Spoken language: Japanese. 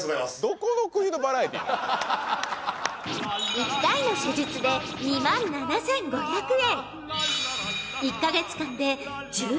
［１回の施術で２万７，５００円］